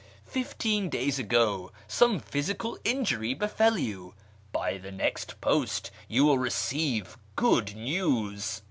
.. Fifteen days ago some physical injury befell you. .. By the next post you will receive good news.